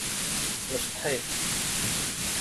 Smecṭeḥ-it.